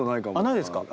ないですか？